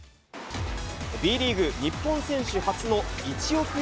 Ｂリーグ日本選手初の１億円